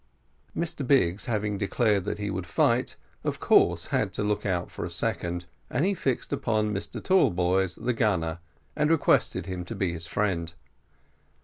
Mr Biggs having declared that he would fight, of course had to look out for a second, and he fixed upon Mr Tallboys, the gunner, and requested him to be his friend.